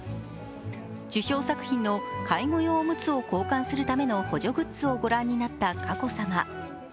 受賞作品の介護用のむつを交換するための補助グッズをご覧になった佳子さま。